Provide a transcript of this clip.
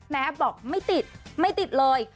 แม่แอฟบอกไม่ติดไม่ติดเลย